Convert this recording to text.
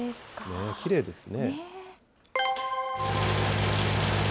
きれいですね。